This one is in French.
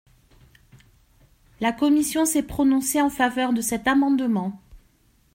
La commission s’est prononcée en faveur de cet amendement.